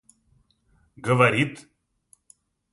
говорит